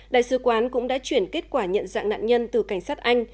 đại sứ quán cũng đã chuyển kết quả nhận dạng nạn nhân từ cảnh sát anh